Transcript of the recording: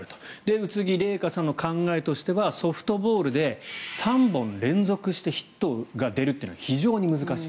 宇津木麗華さんの考えとしてはソフトボールで３本連続してヒットが出るというのは非常に難しい。